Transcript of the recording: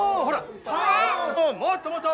もっともっと！